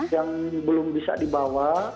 yang belum bisa dibawa